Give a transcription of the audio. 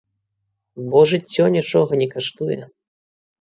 Бо жыццё нічога не каштуе.